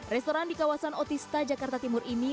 restoran di kawasan otista jakarta timur ini